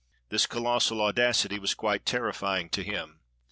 This colossal audacity was quite terrifying to him.